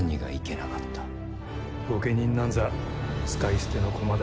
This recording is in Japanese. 御家人なんざ使い捨ての駒だ。